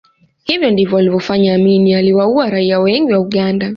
Hivyo ndivyo alivyofanya Amin aliwaua raia wengi wa Uganda